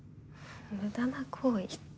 無駄な行為って。